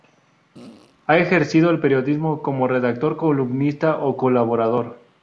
Ha ejercido el periodismo como redactor, columnista o colaborador.